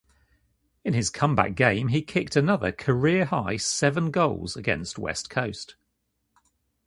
In his comeback game he kicked another career-high seven goals against West Coast.